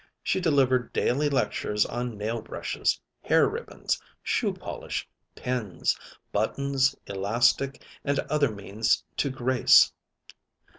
She delivered daily lectures on nail brushes, hair ribbons, shoe polish, pins, buttons, elastic, and other means to grace.